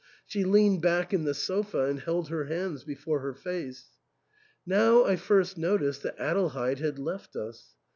She leaned back in the sofa and held her hands before her face. Now I first noticed that Adelheid had left us.